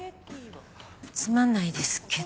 つまんないですけど。